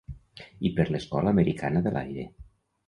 I per l'Escola Americana de l'Aire.